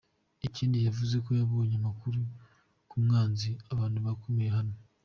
Ikindi yavuzeko yabonye amakuru ku mwanzi, abantu bakomeye hano.